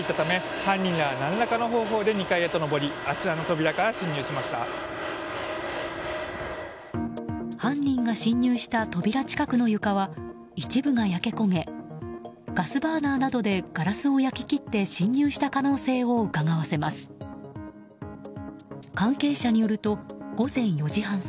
犯人が侵入した扉近くの床は一部が焼けこげガスバーナーなどでガラスを焼き切って侵入した可能性をうかがわせます。